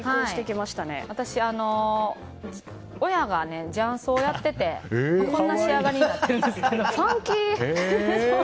私、親が雀荘をやっててこんな仕上がりなんですけど。